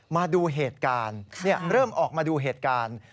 มาดูเหตุการณ์เริ่มออกมาดูเหตุการณ์